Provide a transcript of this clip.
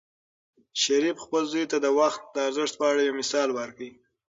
شریف خپل زوی ته د وخت د ارزښت په اړه یو مثال ورکړ.